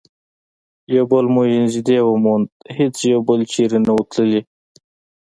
یو بل مو نژدې وموند، هیڅ یو بل چیري نه وو تللي.